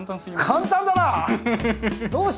簡単だな！